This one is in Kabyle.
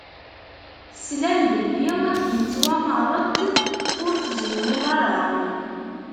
Teslam belli yettwameṛ-d: Ur tzennuḍ ara!